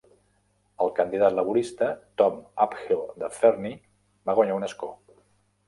El candidat laborista, Tom Uphill de Fernie, va guanyar un escó.